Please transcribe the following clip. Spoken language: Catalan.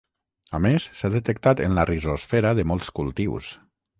A més s'ha detectat en la rizosfera de molts cultius.